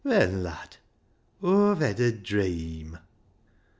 " Ben, lad, Aw've hed a dreeam."